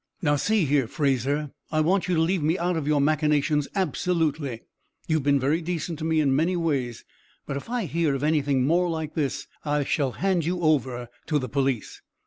"Now see here, Fraser, I want you to leave me out of your machinations, absolutely. You've been very decent to me in many ways, but if I hear of anything more like this I shall hand you over to the police."